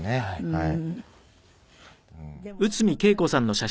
はい。